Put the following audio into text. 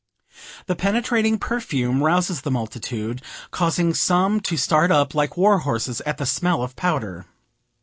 The penetrating perfume rouses the multitude, causing some to start up, like war horses at the smell of powder.